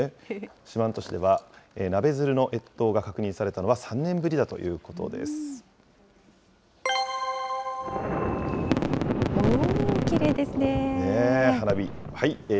四万十市ではナベヅルの越冬が確認されたのは３年ぶりだというこおおっ、きれいですね。